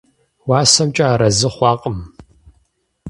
УасэмкӀэ арэзы хъуакъым.